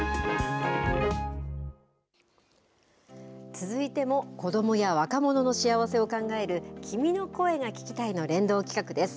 続いても子どもや若者の幸せを考える君の声が聴きたいの連動企画です。